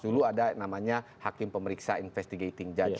dulu ada namanya hakim pemeriksa investigating judge